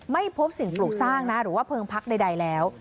ไม่พบสิ่งปลูกสร้างนะหรือว่าเพลิงพักใดแล้ว